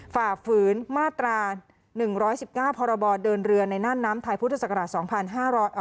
ฝ่าฝืนมาตรา๑๑๙พรบเดินเรือในน่านน้ำไทยพุทธศักราช๒๕๕๙